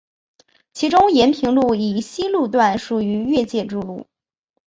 其中延平路以西路段属于越界筑路。